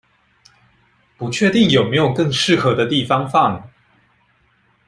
不確定有沒有更適合的地方放